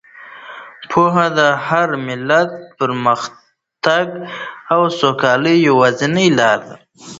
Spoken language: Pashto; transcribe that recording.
پوهه د هر ملت د پرمختګ او سوکالۍ یوازینۍ لاره ده.